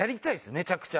めちゃくちゃ。